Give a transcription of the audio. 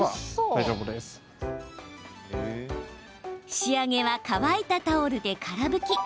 仕上げは乾いたタオルでから拭き。